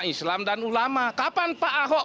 islam dan ulama kapan pak ahok